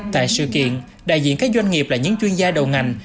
tại sự kiện đại diện các doanh nghiệp là những chuyên gia đầu ngành